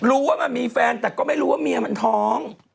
รู้ว่ามันมีแฟนแต่ก็ไม่รู้ว่าเมียมันท้อง